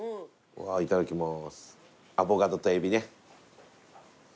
いただきます。